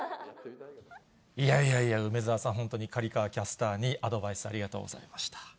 いやいやいや、梅沢さん、本当に刈川キャスターにアドバイス、ありがとうございました。